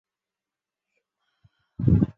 当时只有九龙油麻地作教学地点。